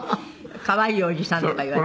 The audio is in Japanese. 「可愛いおじさん」とか言われて。